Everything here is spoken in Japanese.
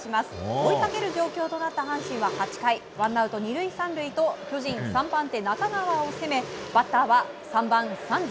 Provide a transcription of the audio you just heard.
追いかける状況となった阪神は８回、ワンアウト２塁３塁と巨人３番手、中川を攻めバッターは３番、サンズ。